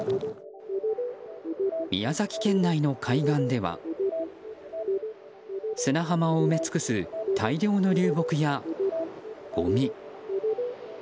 宮崎県内の海岸では砂浜を埋め尽くす大量の流木や、ごみ。